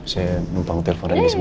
saya numpang telepon randy sebentar ya